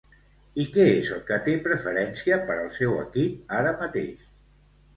I què és el que té preferència per al seu equip ara mateix?